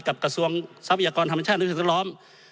กับกระทรวงทรัพยากรธรรมชาติศิลป์